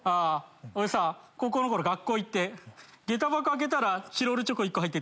俺さ高校の頃学校行ってげた箱開けたらチロルチョコ１個入ってて。